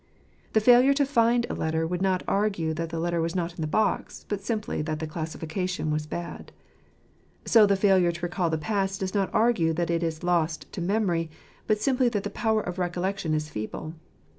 The failure to find a letter would not argue that the letter was not in the box, but simply that the classification was bad ; so the failure to recal the past does not argue that it is. lost to memory, but simply that the power of recollec tion is feeble.